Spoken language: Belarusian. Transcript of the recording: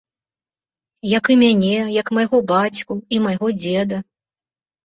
Як і мяне, як майго бацьку і майго дзеда.